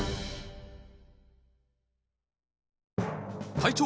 隊長！